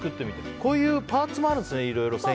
こういうパーツもあるんですね。